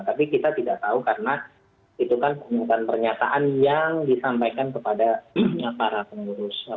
tapi kita tidak tahu karena itu kan pernyataan pernyataan yang disampaikan kepada para pengurus